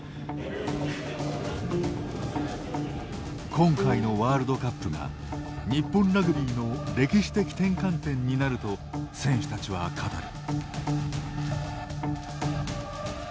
今回のワールドカップが日本ラグビーの歴史的転換点になると選手たちは語る。